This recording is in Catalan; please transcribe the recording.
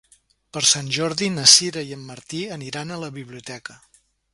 Per Sant Jordi na Sira i en Martí aniran a la biblioteca.